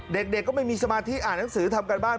เด็กก็ไม่มีสมาธิอ่านหนังสือทำการบ้าน